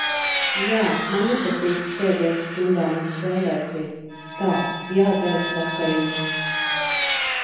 Jā, man nepatīk sēdēt stundām un spēlēties. Tā, jātaisa vakariņas.